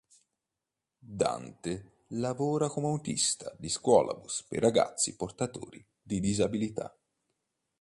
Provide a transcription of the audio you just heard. Dante lavora come autista di scuolabus per ragazzi portatori di disabilità.